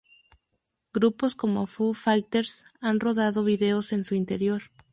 Grupos como Foo Fighters han rodado vídeos en su interior.